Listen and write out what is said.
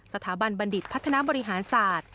สถาบันบัณฑิตพัฒนาบริหารศาสตร์